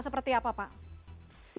seperti apa pak